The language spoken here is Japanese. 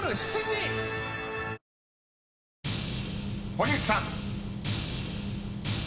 ［堀内さん］